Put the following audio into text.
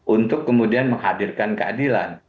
untuk kemudian menghadirkan keadilan